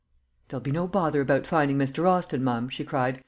"There'll be no bother about finding Mr. Austin, ma'am," she cried.